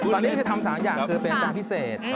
ตอนนี้ก็ทำ๓อย่างคือเปลี่ยนอาจารย์พิเศษ